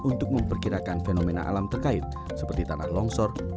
untuk memperkirakan fenomena alam terkait seperti tanah longsor